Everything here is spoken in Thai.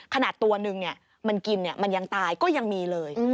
ขนาดตัวนึงมันกินมันยังตายก็ยังมีเลย